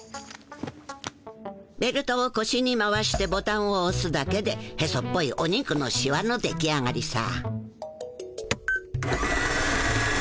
ベルトをこしに回してボタンをおすだけでヘソっぽいお肉のしわの出来上がりさ。